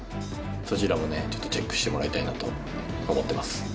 そちらもねちょっとチェックしてもらいたいなと思ってます